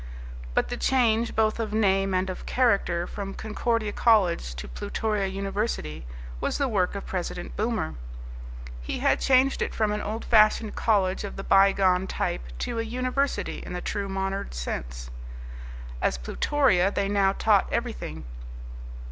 But the change both of name and of character from Concordia College to Plutoria University was the work of President Boomer. He had changed it from an old fashioned college of the by gone type to a university in the true modern sense. At Plutoria they now taught everything.